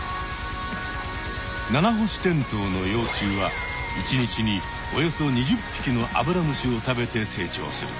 ナナホシテントウの幼虫は１日におよそ２０ぴきのアブラムシを食べて成長する。